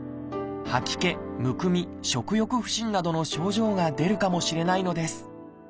吐き気むくみ食欲不振などの症状が出るかもしれないのです。